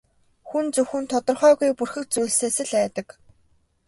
Хүн зөвхөн тодорхойгүй бүрхэг зүйлсээс л айдаг.